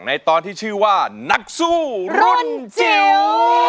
ตอนที่ชื่อว่านักสู้รุ่นจิ๋ว